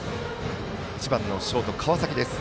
１番のショート、川崎です。